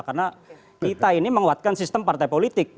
karena kita ini menguatkan sistem partai politik